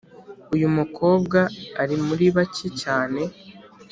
Uyu mukobwa ari muri bake cyane